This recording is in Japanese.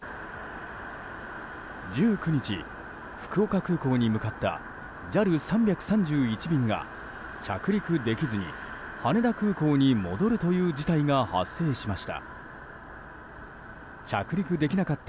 １９日、福岡空港に向かったＪＡＬ３３１便が着陸できずに羽田空港に戻るという事態が発生しました。